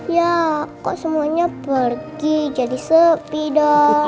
ya kok semuanya pergi jadi sepi dong